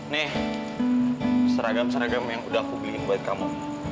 nih seragam seragam yang udah aku beliin buat kamu